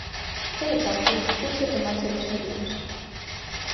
Polo tanto, urxe tomar serias medidas.